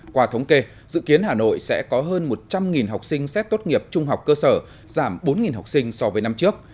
qua thống kê dự kiến hà nội sẽ có hơn một trăm linh học sinh xét tốt nghiệp trung học cơ sở giảm bốn học sinh so với năm trước